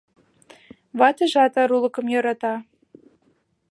Ватыжат арулыкым йӧрата.